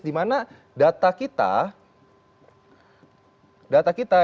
dimana data kita